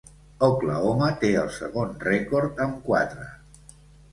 Oklahoma té el segon rècord amb quatre.